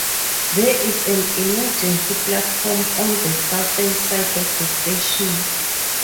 There is an emergency platform on the southern side of the station.